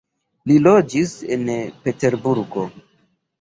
Li loĝis en Peterburgo.